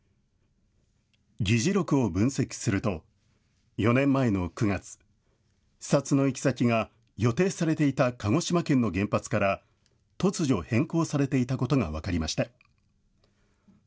議事録を分析すると、４年前の９月、視察の行き先が予定されていた鹿児島県の原発から、突如、変更されていたことが分かりました。